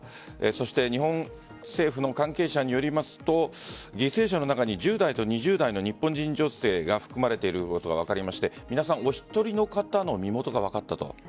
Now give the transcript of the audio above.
そして日本政府の関係者によりますと犠牲者の中に１０代と２０代の日本人女性が含まれていることが分かりましてお１人の方の身元が分かったと。